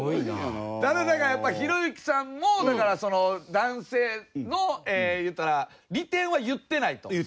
だからやっぱひろゆきさんもだからその男性の言ったら利点は言ってないと。